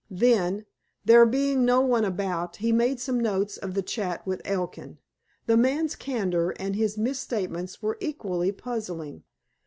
Then, there being no one about, he made some notes of the chat with Elkin. The man's candor and his misstatements were equally puzzling.